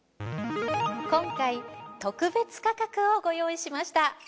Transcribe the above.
今回特別価格をご用意しました。